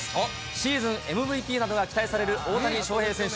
シーズンＭＶＰなどが期待される大谷翔平選手。